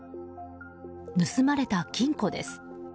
盗まれた金庫です。